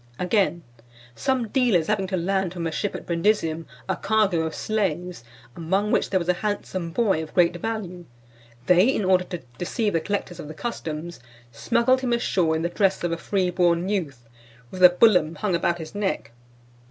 Again: "Some dealers having to land from a ship at Brundusium a cargo of slaves, among which there was a handsome boy of great value, they, in order to deceive the collectors of the customs, smuggled him ashore in the dress of a freeborn youth, with the bullum hung about his neck.